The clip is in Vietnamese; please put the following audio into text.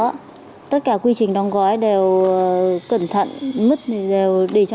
dạ có tất cả quy trình đóng gói đều cẩn thận mứt đều để trong thùng sạch sẽ